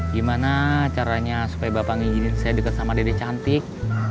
gimana caranya supaya bapak ngigilin saya dekat sama dede cantik